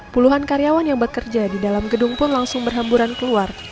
puluhan karyawan yang bekerja di dalam gedung pun langsung berhamburan keluar